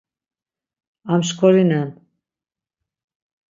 Amşkorinen.